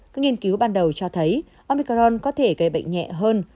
các nghiên cứu ban đầu cho thấy omicron có thể gây bệnh nhẹ hơn